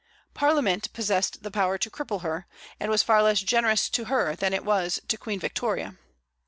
Parliament possessed the power to cripple her, and was far less generous to her than it was to Queen Victoria.